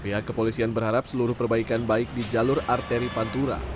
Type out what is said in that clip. pihak kepolisian berharap seluruh perbaikan baik di jalur arteri pantura